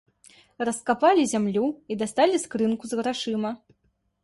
Раскапалі зямлю і дасталі скрынку з грашыма.